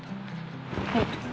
はい。